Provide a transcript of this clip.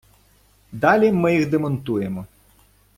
Далі ми їх демонтуємо.